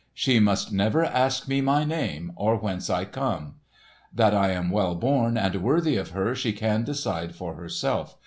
"She must never ask me my name, or whence I come. That I am well born and worthy of her she can decide for herself.